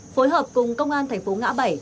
phối hợp cùng công an thành phố ngã bảy